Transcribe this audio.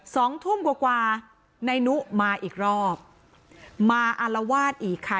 สองทุ่มกว่ากว่านายนุมาอีกรอบมาอารวาสอีกค่ะ